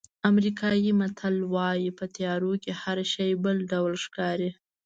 امریکایي متل وایي په تیارو کې هر شی بل ډول ښکاري.